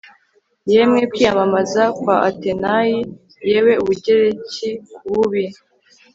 yemwe kwiyamamaza kwa atenayi, yewe ubugereki bubi